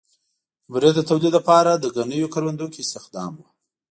د بورې د تولید لپاره د ګنیو کروندو کې استخدام و.